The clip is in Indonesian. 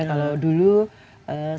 kalau dulu sering mati